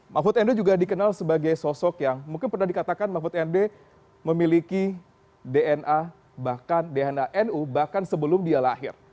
mahfud md juga dikenal sebagai sosok yang mungkin pernah dikatakan mahfud md memiliki dna bahkan dna nu bahkan sebelum dia lahir